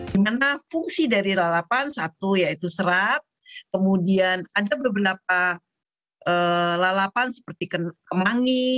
dimana fungsi dari lalapan satu yaitu serap kemudian ada beberapa lalapan seperti kemangi